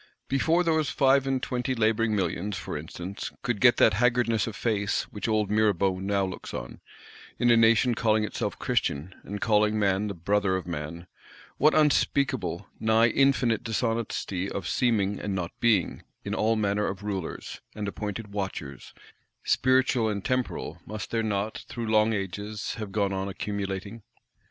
Before those five and twenty labouring Millions, for instance, could get that haggardness of face, which old Mirabeau now looks on, in a Nation calling itself Christian, and calling man the brother of man,—what unspeakable, nigh infinite Dishonesty (of seeming and not being) in all manner of Rulers, and appointed Watchers, spiritual and temporal, must there not, through long ages, have gone on accumulating!